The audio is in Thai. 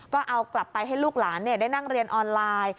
ก็เอากลับไปให้ลูกหลานได้นั่งเรียนออนไลน์